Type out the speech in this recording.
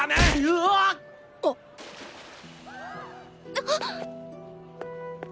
・あっ